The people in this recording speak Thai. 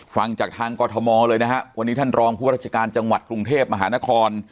ฟังจากทางกรทมเลยนะฮะวันนี้ท่านรองผู้ราชการจังหวัดกรุงเทพมหานคร